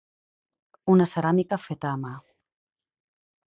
Una ceràmica feta a mà.